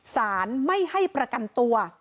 สารไม่ให้ประกันตัว